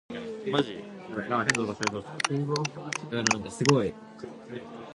Previously, the Web address was operated by the local media division of World Now.